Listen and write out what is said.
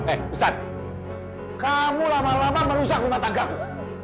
eh ustadz kamu lama lama merusak rumah tangga aku